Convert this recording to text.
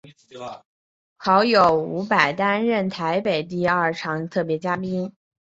好友伍佰担任台北第二场特别嘉宾。